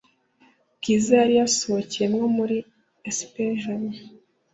bwiza yari yasohokeyemo muri espagne